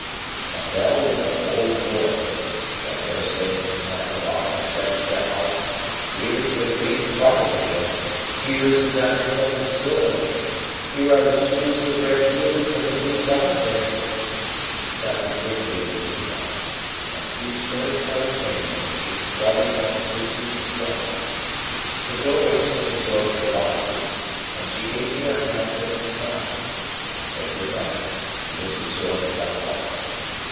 A bell with an old voice—which I dare say in its time had often said to the house, Here is the green farthingale, Here is the diamond hilted sword, Here are the shoes with red heels and the blue solitaire—sounded gravely in the moonlight, and two cherry coloured maids came fluttering out to receive Estella. The doorway soon absorbed her boxes, and she gave me her hand and a smile, and said good night, and was absorbed likewise.